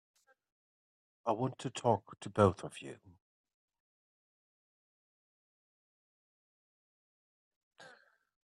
I want to talk to both of you.